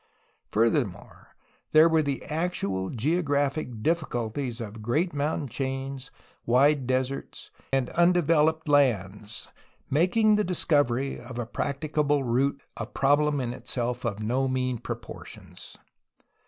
Further more, there were the actual geographical difficulties of great mountain chains, wide deserts, and undeveloped lands, making the discovery of a practicable route a problem in itself of no mean proportions.